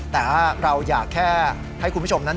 แต่ว่าเราอยากแค่ให้คุณผู้ชมนั้น